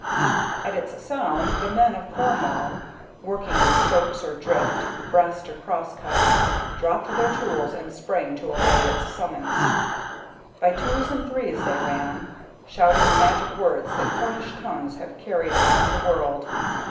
At its sound the men of Cornwall, working in stope or drift, breast or cross cut, dropped their tools and sprang to obey its summons. By twos and threes they ran, shouting the magic words that Cornish tongues have carried around the world.